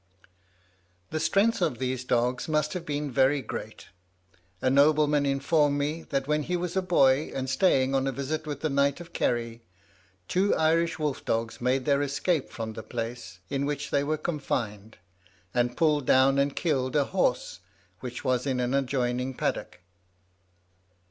The strength of these dogs must have been very great. A nobleman informed me, that when he was a boy, and staying on a visit with the Knight of Kerry, two Irish wolf dogs made their escape from the place in which they were confined, and pulled down and killed a horse, which was in an adjoining paddock.